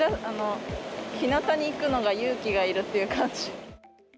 ひなたに行くのが勇気がいるっていう感じ。